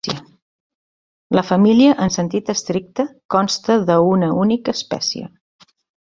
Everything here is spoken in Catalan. La família en sentit estricte consta d'una única espècie.